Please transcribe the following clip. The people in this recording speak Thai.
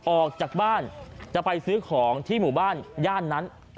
ออกจากบ้านจะไปซื้อของที่หมู่บ้านย่านนั้น